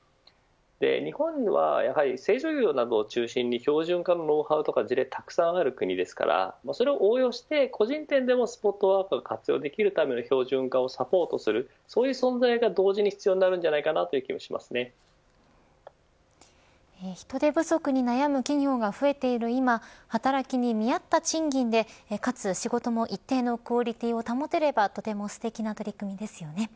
日本はやはり製造業などを中心に標準化のノウハウや事例がたくさんある国ですからそれを応用して、個人店でもスポットワーカーを活用できるための標準化をサポートする存在が人手不足に悩む企業が増えている今働きに見合った賃金でかつ、仕事も一定のクオリティーを保てればとてもすてきな取り組みですよね。